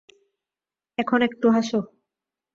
এখন, একটু হাস।